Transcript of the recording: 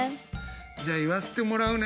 じゃあ言わせてもらうね。